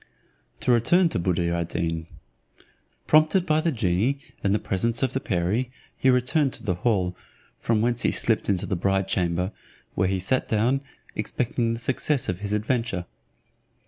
To return to Buddir ad Deen. Prompted by the genie and the presence of the perie, he returned to the hall, from whence he slips into the bride chamber, where he sat down, expecting the success of his adventure.